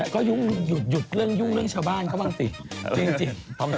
ก็ยุ่งรูบหยุดเรื่องยุงเรื่องชาวบ้านขอบฟีจริง